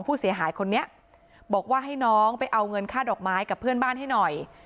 ผู้เสียหายคนนี้บอกว่าให้น้องไปเอาเงินค่าดอกไม้กับเพื่อนบ้านให้หน่อย